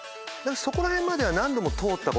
そこら辺までは。